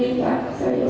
saya tidak mau mengakui